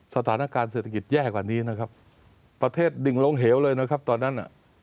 สถานการณ์เศรษฐกิจแย่กว่านี้นะครับประเทศดิ่งลงเหวเลยนะครับตอนนั้นน่ะ